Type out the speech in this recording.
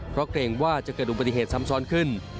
เพราะเกรงว่าจะเกิดอุบัติเหตุซ้ำซ้อนขึ้น